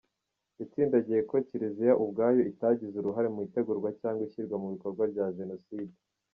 Yatsindagiye ko Kiliziya ubwayo itagize uruhare mu itegurwa cyangwa ishyirwa mu bikorwa rya jenoside.